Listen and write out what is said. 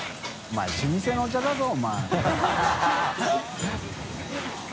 老舗のお茶だぞお前。